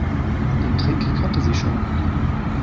Den Trick kannte sie schon.